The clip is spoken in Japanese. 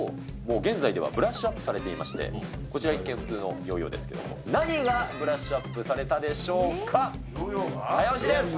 現在ではブラッシュアップされていまして、こちら一見、普通のヨーヨーですけども、何がブラッシュアップされたでしょうか。